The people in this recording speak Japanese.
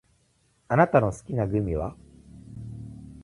あなたの好きなグミは？